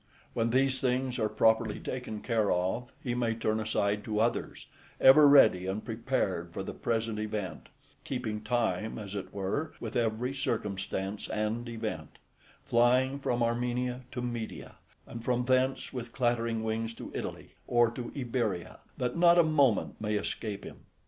When these things are properly taken care of, he may turn aside to others, ever ready and prepared for the present event, keeping time, {62b} as it were, with every circumstance and event: flying from Armenia to Media, and from thence with clattering wings to Italy, or to Iberia, that not a moment may escape him.